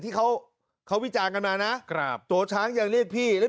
ที่เขาเขาวิจารณ์กันมานะครับตัวช้างยังเรียกพี่หรือ